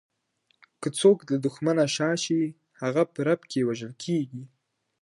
که څوک له دښمنه شا شي، هغه په رپ کې وژل کیږي.